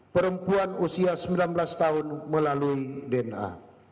perempuan usia sembilan belas tahun melalui dna